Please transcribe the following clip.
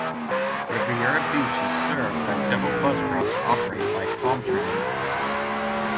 Riviera Beach is served by several bus routes operated by PalmTran.